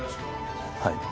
はい。